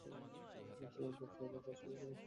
সেদিন যখন তোর বয়ফ্রেন্ড তোর শোবার ঘরে এসেছিল?